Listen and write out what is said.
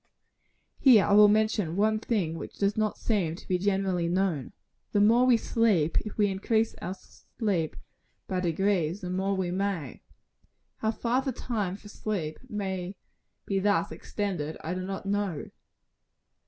Here I will mention one thing which does not seem to be generally known. The more we sleep, if we increase our sleep by degrees, the more we may. How far the time for sleep may be thus extended, I do not know.